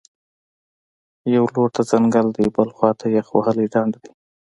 یوه لور ته ځنګل دی، بلې خوا ته یخ وهلی ډنډ دی